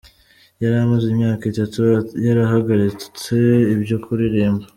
Yari amaze imyaka atatu yarahagaritse ibyo kuririmba.